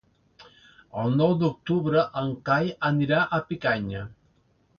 El nou d'octubre en Cai anirà a Picanya.